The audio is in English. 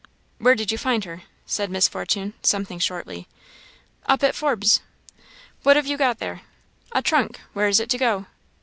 "Where did you find her?" said Miss Fortune, something shortly. "Up at Forbes's." "What have you got there?" "A trunk. Where is it to go?"